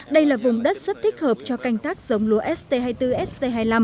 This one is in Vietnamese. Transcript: đây là vùng đất rất thích hợp cho canh tác giống lúa st hai mươi bốn st hai mươi năm